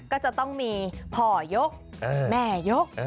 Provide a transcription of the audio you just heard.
ก็จะต้องมีพ่อยกแม่ยก